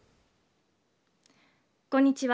こんにちは。